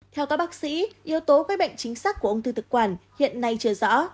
theo các bác sĩ yếu tố gây bệnh chính xác của ung thư thực quản hiện nay chưa rõ